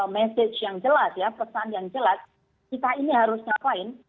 message yang jelas ya pesan yang jelas kita ini harus ngapain